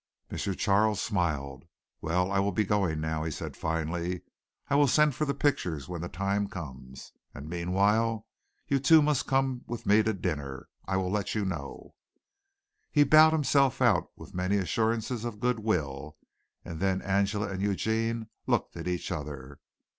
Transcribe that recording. M. Charles smiled. "Well, I will be going now," he said finally. "I will send for the pictures when the time comes. And meanwhile you two must come with me to dinner. I will let you know." He bowed himself out with many assurances of good will, and then Angela and Eugene looked at each other.